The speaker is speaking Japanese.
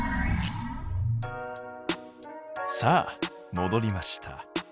さあもどりました。